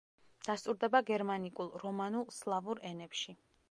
დასტურდება გერმანიკულ, რომანულ, სლავურ ენებში.